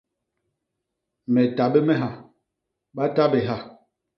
Me ta bé me ha, ba ta bé ha.